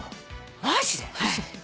マジで？